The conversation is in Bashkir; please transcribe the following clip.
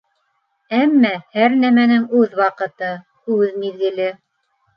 Әммә һәр нәмәнең үҙ ваҡыты, үҙ миҙгеле!